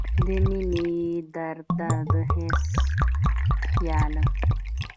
د مينې درده، د حسن خياله